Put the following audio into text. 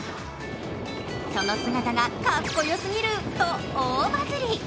その姿が格好よすぎると大バズり。